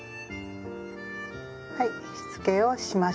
はいしつけをしました。